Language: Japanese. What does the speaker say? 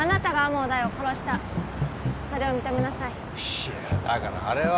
いやだからあれは。